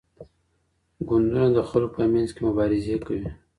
ګوندونه د خلګو په منځ کي مبارزې کوي.